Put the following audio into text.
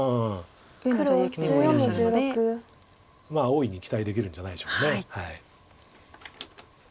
大いに期待できるんじゃないでしょうか。